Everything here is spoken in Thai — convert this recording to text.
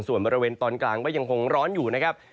ส่วนบริเวณตอนกลางก็ยังคงร้อนอยู่นะครับ